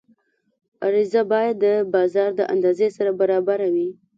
عرضه باید د بازار د اندازې سره برابره وي.